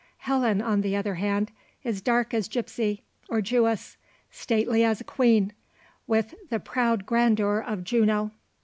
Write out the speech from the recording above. Helen, on the other hand, is dark as gipsy, or Jewess; stately as a queen, with the proud grandeur of Juno.